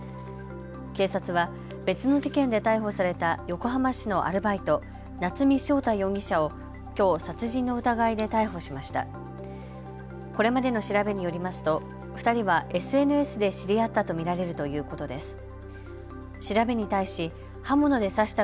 警察は別の事件で逮捕された横浜市のアルバイト、夏見翔太容疑者をきょう殺人の疑いで逮捕しました。